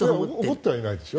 怒ってはいないですよ。